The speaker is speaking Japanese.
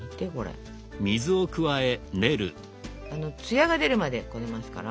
艶が出るまでこねますから。